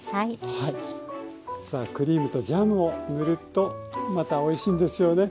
さあクリームとジャムを塗るとまたおいしいんですよね。